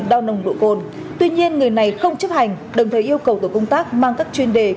đăng ký kênh để ủng hộ kênh của mình nhé